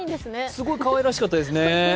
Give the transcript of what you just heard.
すごい、かわいらしかったですね。